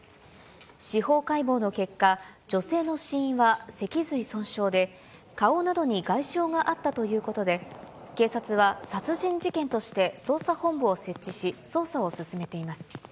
司法解剖の結果、女性の死因は脊髄損傷で、顔などに外傷があったということで、警察は殺人事件として捜査本部を設置し、捜査を進めています。